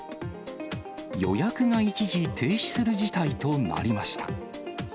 予約が一時停止する事態となりました。